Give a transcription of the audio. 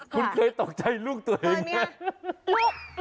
คุณเคยตกใจลูกตัวเองไหม